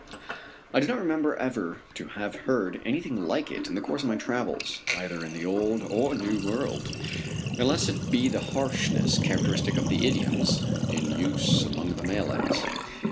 I do not remember ever to have heard anything like it in the course of my travels either in the Old or New World unless it be the harshness characteristic of the idioms in use among the Malays.